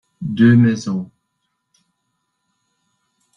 deux maisons.